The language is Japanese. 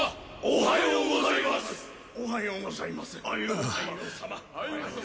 おはようございます！